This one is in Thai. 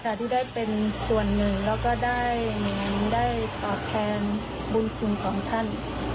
เค้าเป็นส่วนหนึ่งและก็ได้บัรบทแทนบุญคุณของท่าน